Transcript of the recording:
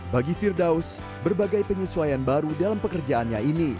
bagi firdaus berbagai penyesuaian baru dalam pekerjaannya ini